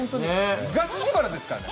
ガチ自腹ですからね。